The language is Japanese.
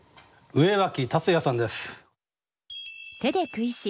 上脇立哉さんです。